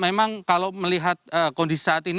memang kalau melihat kondisi saat ini